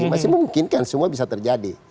masih mungkin kan semua bisa terjadi